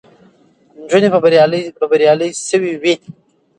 نجونې به بریالۍ سوې وي.